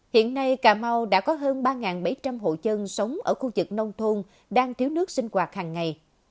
hiện nay cà mau đã có hơn ba bảy trăm linh hộ chân sống ở khu vực nông thôn đang thiếu nước sinh hoạt hàng ngày